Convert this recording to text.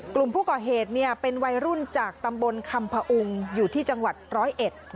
กลุ่มผู้ก่อเหตุเนี่ยเป็นวัยรุ่นจากตำบลคำพออุงอยู่ที่จังหวัดร้อยเอ็ด